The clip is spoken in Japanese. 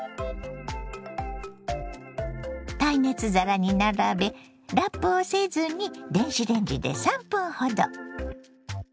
耐熱皿に並べラップをせずに電子レンジで３分ほど。